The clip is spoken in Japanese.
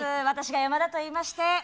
私が山田といいまして。